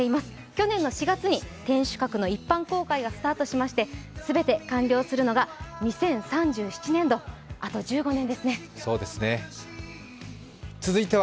去年の４月に天守閣の一般公開がスタートしまして全て完了するのが２０３７年度、あと１５年ですね。